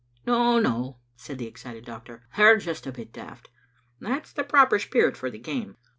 "No, no," said the excited doctor, "they are just a bit daft. That's the proper spirit for the game.